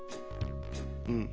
うん。